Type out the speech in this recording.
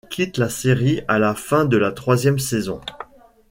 Il quitte la série à la fin de la troisième saison.